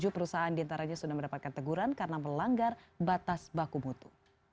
tujuh perusahaan diantaranya sudah mendapatkan teguran karena melanggar batas baku mutu